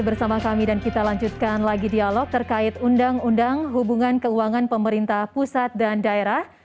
bersama kami dan kita lanjutkan lagi dialog terkait undang undang hubungan keuangan pemerintah pusat dan daerah